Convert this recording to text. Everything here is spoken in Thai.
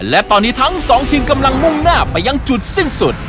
และตอนนี้ทั้งสองทีมกำลังมุ่งหน้าไปยังจุดสิ้นสุด